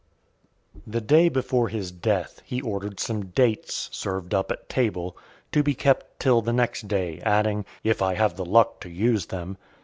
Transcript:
XVI. The day before his death, he ordered some dates , served up at table, to be kept till the next day, adding, "If I have the luck to use them."